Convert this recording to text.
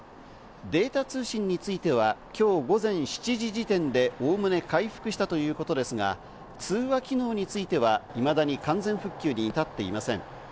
データ通信については、きょう午前７時時点でおおむね回復したということですが、通話機能についてはいまだに完全復旧に至っていません。